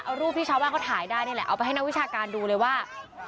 เอารูปที่ชาวบ้านเขาถ่ายได้นี่แหละเอาไปให้นักวิชาการดูเลยว่า